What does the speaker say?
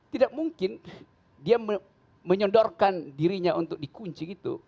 tidak mungkin dia menyondorkan dirinya untuk dikunci gitu